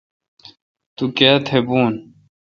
تو کیا تھہ بون۔